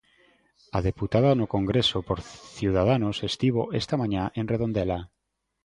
A deputada no Congreso por Ciudadanos estivo esta mañá en Redondela.